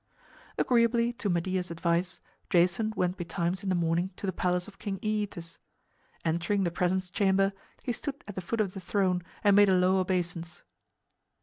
Agreeably to Medea's advice, Jason went betimes in the morning to the palace of king Æetes. Entering the presence chamber, he stood at the foot of the throne and made a low obeisance.